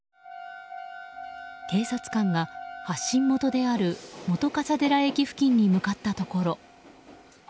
警察官が発信元である本笠寺駅付近に向かったところ。